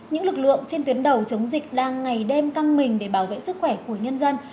những lực lượng trên tuyến đầu chống dịch đang ngày đêm căng mình để bảo vệ sức khỏe của nhân dân